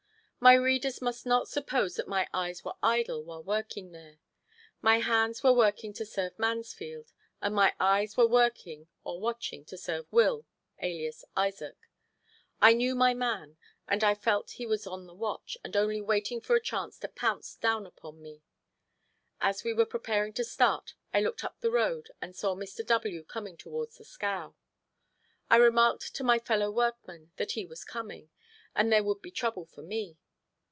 My readers must not suppose that my eyes were idle while working here. My hands were working to serve Mansfield, and my eyes were working or watching to serve Will, alias Isaac. I knew my man, and I felt he was on the watch and only waiting for a chance to pounce down upon me. As we were preparing to start I looked up the road and saw Mr. W. coming towards the scow. I remarked to my fellow workman that he was coming and there would be trouble for me.